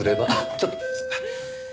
ちょっと。